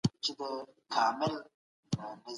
شاه شجاع دوې لیکونه جنرال سیل ته واستول.